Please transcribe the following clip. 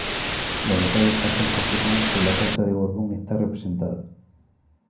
Los detalles parecen confirmar que la Casa de Borbón está representada.